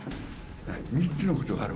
３つのことがある。